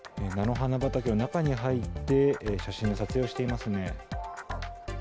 菜の花畑の中に入って、写真の撮影していますね。